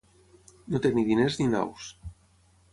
No té ni diners ni naus.